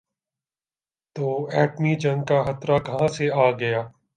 تو ایٹمی جنگ کا خطرہ کہاں سے آ گیا؟